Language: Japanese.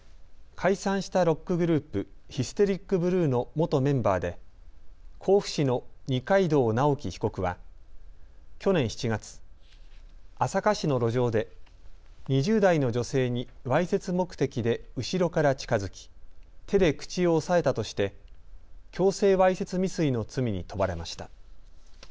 解散したロックグループ、ヒステリックブルーの元メンバーで甲府市の二階堂直樹被告は去年７月、朝霞市の路上で２０代の女性にわいせつ目的で後ろから近づき手で口を押さえたとして強制わいせつ未遂の罪に問われました。